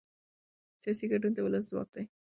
سیاسي ګډون د ولس ځواک دی